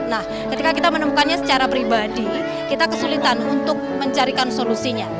nah ketika kita menemukannya secara pribadi kita kesulitan untuk mencarikan solusinya